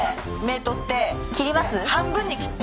半分に切って。